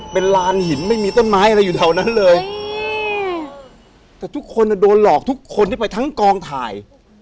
เป็นลานหินไม่มีต้นไม้อะไรอยู่แถวนั้นเลยแต่ทุกคนโดนหลอกทุกคนที่ไปทั้งกองถ่าย